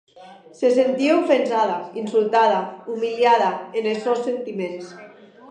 Se sentie ofensada, insultada, umiliada enes sòns sentiments.